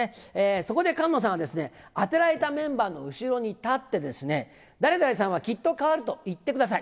そこで菅野さんは当てられたメンバーの後ろに立って、誰々さんはきっと変わると言ってください。